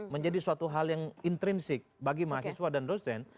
menjadi suatu hal yang intrinsik bagi mahasiswa dan dosen